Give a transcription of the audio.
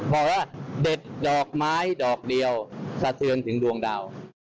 บอกว่าเด็ดดอกไม้ดอกเดียวสะเทือนถึงดวงดาว